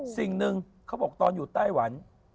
สิ่งหนึ่งเขาบอกตอนอยู่ไต้หวัน